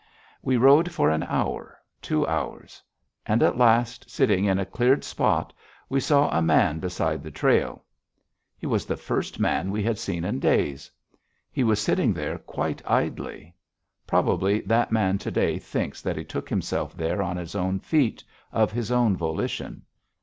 We rode for an hour two hours. And, at last, sitting in a cleared spot, we saw a man beside the trail. He was the first man we had seen in days. He was sitting there quite idly. Probably that man to day thinks that he took himself there on his own feet, of his own volition.